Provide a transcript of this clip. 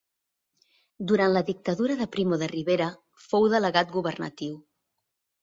Durant la Dictadura de Primo de Rivera fou delegat governatiu.